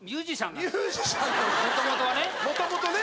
もともとね。